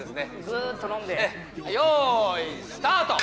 グーっと飲んで用意スタート！